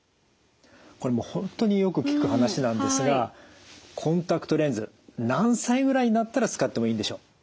これもう本当によく聞く話なんですがコンタクトレンズ何歳ぐらいになったら使ってもいいんでしょう？